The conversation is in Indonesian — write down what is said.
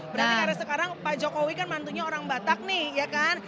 berarti karena sekarang pak jokowi kan mantunya orang batak nih ya kan